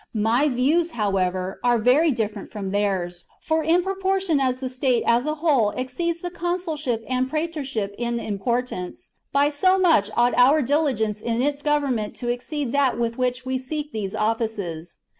My views, however, are very different from theirs ; for in proportion as the state as a whole exceeds the consulship or praetorship in importance, by so much ought our diligence in its government to exceed that with which we seek these offices.